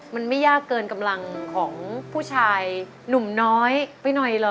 มันไม่ยากเกินกำลังของผู้ชายหนุ่มน้อยไปหน่อยเหรอ